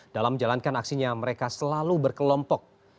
dalam menjalankan aksinya mereka selalu berkelompok